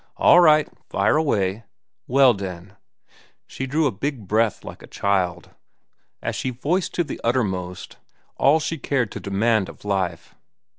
"All right. Fire away." "Well, den—" She drew a big breath like a child, as she voiced to the uttermost all she cared to demand of life.